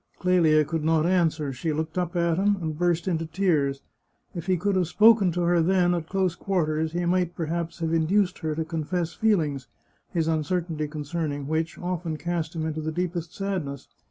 Clelia could not answer; she looked up at him, and burst into tears. If he could have spoken to her then at close quarters he might perhaps have induced her to confess feelings, his uncertainty concerning which often cast him into the deepest sadness.